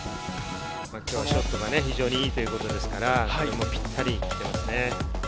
今日はショットが非常にいいということで、ぴったり行っていますね。